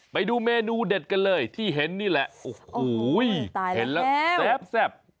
ไปดูเมนูเด็ดกันเลยที่เห็นนี่แหละโอ้โหเห็นแล้วแซ่บ